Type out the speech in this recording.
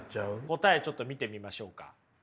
答えちょっと見てみましょうか。